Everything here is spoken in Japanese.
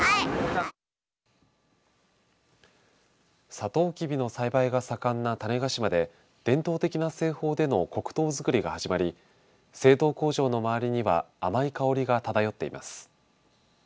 さとうきびの栽培が盛んな種子島で伝統的な製法での黒糖作りが始まり製糖工場の周りには甘い香りが漂っています。